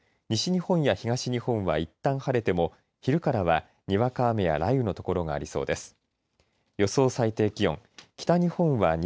西日本や東日本はいったん晴れても昼からは、にわか雨や雷雨の所がありそうです。